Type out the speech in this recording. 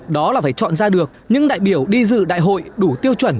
đó là phải chọn ra được những đại biểu đi dự đại hội đủ tiêu chuẩn